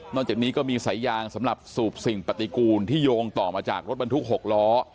จากนี้ก็มีสายยางสำหรับสูบสิ่งปฏิกูลที่โยงต่อมาจากรถบรรทุก๖ล้อ